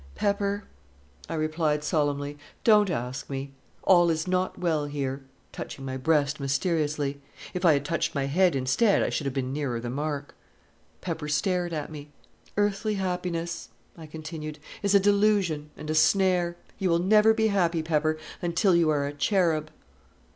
"Pepper," I replied, solemnly, "don't ask me. All is not well here" touching my breast mysteriously. If I had touched my head instead, I should have been nearer the mark. Pepper stared at me. "Earthly happiness," I continued, "is a delusion and a snare. You will never be happy, Pepper, until you are a cherub."